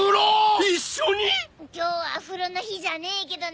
今日は風呂の日じゃねえけどな。